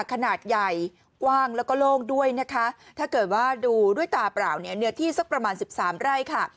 ขนาดใหญ่กว้างแล้วก็โล่งด้วยนะคะถ้าเกิดว่าดูด้วยตาเปล่าเนี่ยเนื้อที่สักประมาณสิบสามไร่ค่ะ